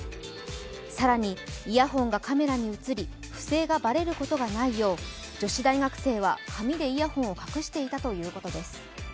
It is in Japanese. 更にイヤホンが画面に映り不正がばれることがないよう女子大学生は、髪でイヤホンを隠していたということです。